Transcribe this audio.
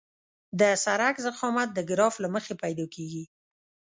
د سرک ضخامت د ګراف له مخې پیدا کیږي